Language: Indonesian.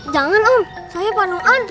jangan om saya panuan